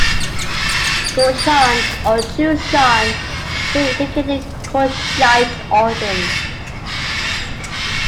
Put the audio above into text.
'Cushan' or 'Chushan' may indicate Cushite origins.